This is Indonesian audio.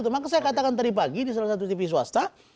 maka saya katakan tadi pagi di salah satu tv swasta